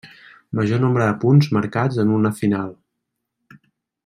Major nombre de punts marcats en una final.